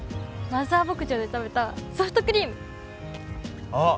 マザー牧場で食べたソフトクリームあっ！